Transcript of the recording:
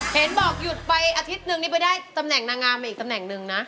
เห็นบอกหยุดไปอาทิตย์นึงนี่ไปได้ตำแหน่งนางงามมาอีกตำแหน่งหนึ่งนะ